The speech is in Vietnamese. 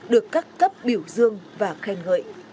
được các cấp biểu dương và khen ngợi